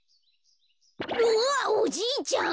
うわっおじいちゃん！？